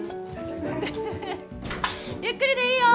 うんゆっくりでいいよ！